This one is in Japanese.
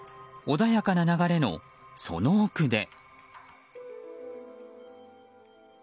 穏やかな流れのその奥で。